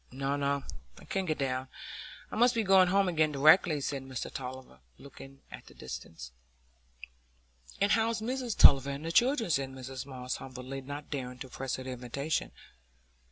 "No, no; I can't get down. I must be going home again directly," said Mr Tulliver, looking at the distance. "And how's Mrs Tulliver and the children?" said Mrs Moss, humbly, not daring to press her invitation.